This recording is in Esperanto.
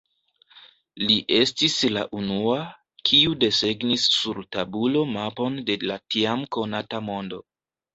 Li estis la unua, kiu desegnis sur tabulo mapon de la tiam konata mondo.